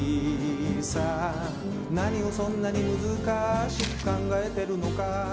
「何をそんなに難しく考えてるのか」